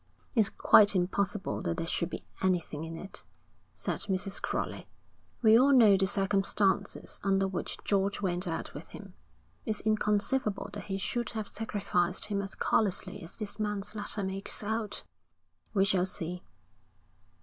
'It's quite impossible that there should be anything in it,' said Mrs. Crowley. 'We all know the circumstances under which George went out with him. It's inconceivable that he should have sacrificed him as callously as this man's letter makes out.' 'We shall see.'